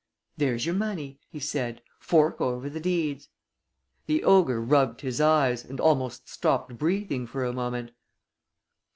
"There's your money," he said. "Fork over the deeds." The ogre rubbed his eyes, and almost stopped breathing for a moment.